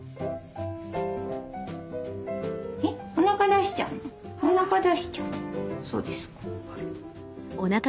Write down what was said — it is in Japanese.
えっおなか出しちゃうの？